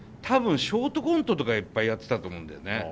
多分ショートコントとかいっぱいやってたと思うんだよね。